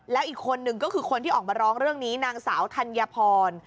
แล้วอีกคนนึงก็คือคนที่ออกมาร้องเรื่องนี้นางสาวธัญพร